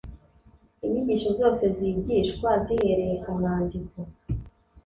Inyigisho zose zigishwa zihereye ku mwandiko